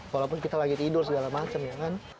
walaupun kita lagi tidur segala macam ya kan